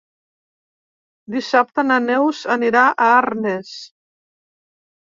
Dissabte na Neus anirà a Arnes.